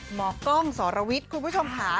หมอกล้องสรวิทย์คุณผู้ชมค่ะ